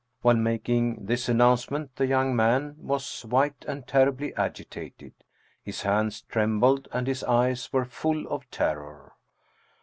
While making this an nouncement the young man was white and terribly agi tated. His hands trembled and his eyes were full of terror.